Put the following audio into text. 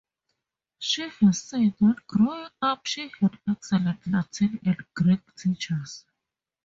She has said that growing up she had excellent Latin and Greek teachers.